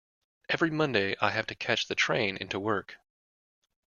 Every Monday I have to catch the train into work